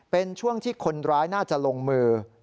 เป็นช่วงที่คนร้ายน่าจะลงมือ